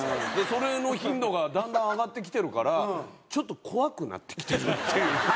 それの頻度がだんだん上がってきてるからちょっと怖くなってきてるっていうか。